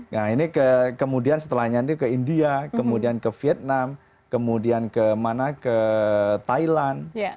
nah ini kemudian setelahnya ke india kemudian ke vietnam kemudian kemana ke thailand